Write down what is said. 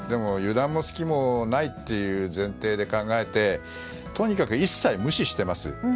油断も隙もないという前提で考えて、とにかく一切無視しています。